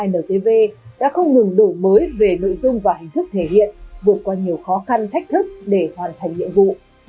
intv đã không ngừng đổi mới về nội dung và hình thức thể hiện vượt qua nhiều khó khăn thách thức để hoàn thành nhiệm vụ